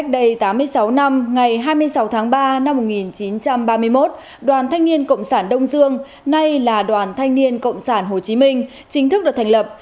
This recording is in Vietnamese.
đây tám mươi sáu năm ngày hai mươi sáu tháng ba năm một nghìn chín trăm ba mươi một đoàn thanh niên cộng sản đông dương nay là đoàn thanh niên cộng sản hồ chí minh chính thức được thành lập